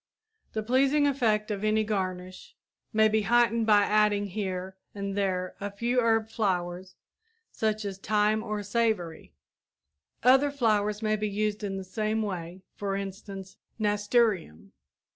The pleasing effect of any garnish may be heightened by adding here and there a few herb flowers such as thyme or savory. Other flowers may be used in the same way; for instance, nasturtium.